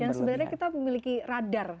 dan sebenarnya kita memiliki radar